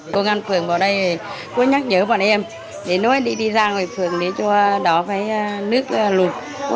công an phường vào đây có nhắc nhớ bọn em để nói đi ra ngoài phường để cho đó phải nước lụt